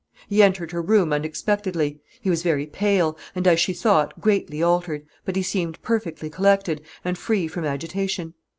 He entered her room unexpectedly, he was very pale, and as she thought, greatly altered, but he seemed perfectly collected, and free from agitation.